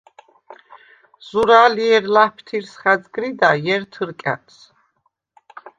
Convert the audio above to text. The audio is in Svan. ზურალ ჲერ ლა̈ფთირს ხა̈ძგრიდა, ჲერ თჷრკა̈ტს.